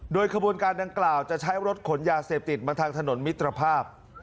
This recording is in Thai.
โดยขบวนการดังกล่าวจะใช้รถขนยาเสพติดมาทางถนนมิตรภาพ